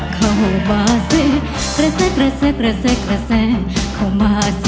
ชอบคนที่เล่นหน่อย